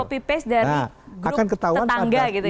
copy paste dari grup tetangga gitu ya